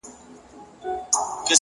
فکر د ژوند مسیر ټاکي،